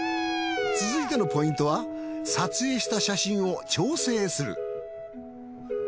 続いてのポイントは撮影した写真を調整する。